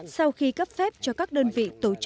sau khi cấp phép cho các đơn vị tổ chức hội thảo